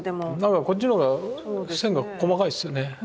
こっちの方が線が細かいっすよね。